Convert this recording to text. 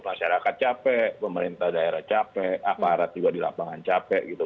masyarakat capek pemerintah daerah capek aparat juga di lapangan capek gitu